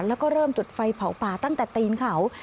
แล้วก็เริ่มจุดไฟเผาป่าตั้งแต่ตีนเขา